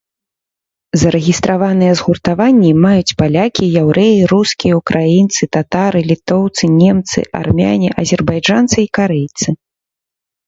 Зарэгістраваныя згуртаванні маюць палякі, яўрэі, рускія, украінцы, татары, літоўцы, немцы, армяне, азербайджанцы і карэйцы.